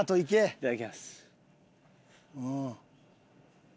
いただきます。